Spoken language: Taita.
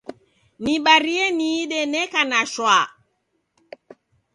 Nibarie niide neka na shwaa